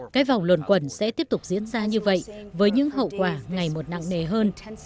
cái vòng luồn quẩn sẽ tiếp tục diễn ra như vậy với những hậu quả ngày một nặng nề hơn